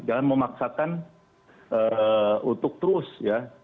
jangan memaksakan untuk terus ya